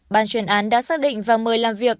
bàn truyền án đã xác định và mời làm việc